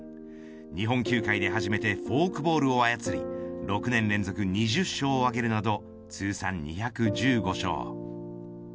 日本球界で初めてフォークボールを操り６年連続２０勝を挙げるなど通算２１５勝。